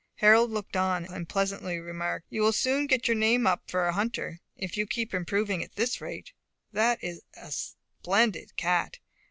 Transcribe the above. Harold looked on and pleasantly remarked, "You will soon get your name up for a hunter, if you keep improving at this rate. That is a splendid cat!